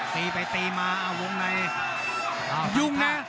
ตีไปตีมาวงในยุ่งนะ